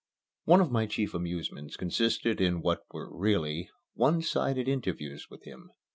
One of my chief amusements consisted in what were really one sided interviews with him.